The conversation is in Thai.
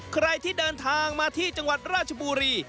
ใครที่เดินทางมาที่จังหวัดราชบุรี